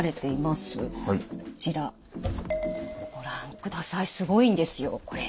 こちらご覧くださいすごいんですよこれ。